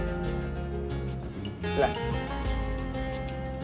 dengan hasil pengotretan kita kemaren